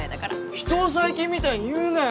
人を細菌みたいに言うなよ！